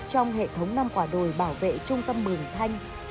trong hệ thống năm quả đồi bảo vệ trung tâm mường thanh